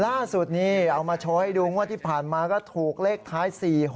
ล่าสุดนี่เอามาโชว์ให้ดูงวดที่ผ่านมาก็ถูกเลขท้าย๔๖